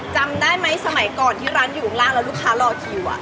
จำได้ไหมสมัยก่อนที่ร้านอยู่ข้างล่างแล้วลูกค้ารอคิว